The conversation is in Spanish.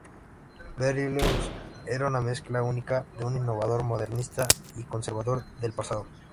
Berlioz era una mezcla única de un innovador modernista y un conservador del pasado.